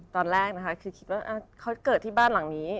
ตอนแรกนะคะคือคิดว่าเขาเกิดที่บ้านหลังนี้